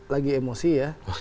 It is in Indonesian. lagi emosi ya